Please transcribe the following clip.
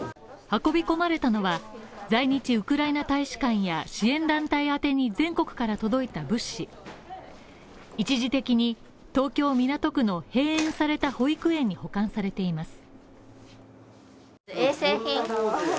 運び込まれたのは、在日ウクライナ大使館や支援団体宛に全国から届いた物資一時的に東京・港区の閉園された保育園に保管されています。